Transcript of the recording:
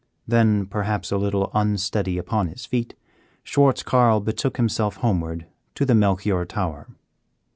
Then, perhaps a little unsteady upon his feet, Schwartz Carl betook himself homeward to the Melchior tower.